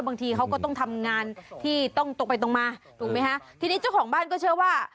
บางทีเขาก็ต้องทำงานที่ต้องตรงไปตรงมาถูกไหมฮะทีนี้เจ้าของบ้านก็เชื่อว่า